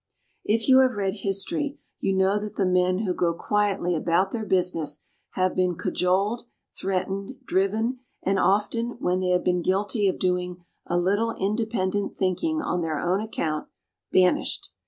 If you have read history you know that the men who go quietly about their business have been cajoled, threatened, driven, and often, when they have been guilty of doing a little independent thinking on their own account, banished.